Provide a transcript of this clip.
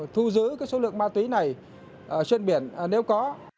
thu giữ số lượng ma túy này trên biển nếu có